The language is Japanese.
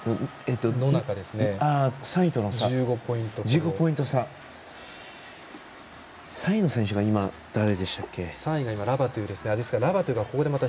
１５ポイント差３位の選手が今、誰でしたっけ？